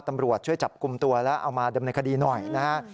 ตำรวจช่วยจับกลุ่มตัวแล้วเอามาดำเนินคดีหน่อยนะฮะ